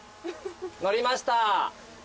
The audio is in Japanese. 乗りました。